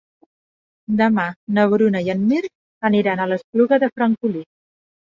Demà na Bruna i en Mirt aniran a l'Espluga de Francolí.